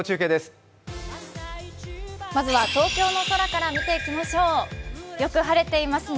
まずは東京の空から見ていきましょうよく晴れていますね。